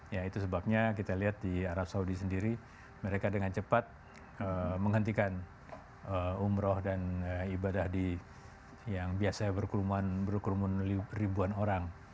ya itu sebabnya kita lihat di arab saudi sendiri mereka dengan cepat menghentikan umroh dan ibadah yang biasanya berkerumun ribuan orang